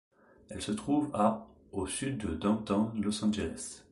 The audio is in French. Elle se trouve à au sud de Downtown Los Angeles.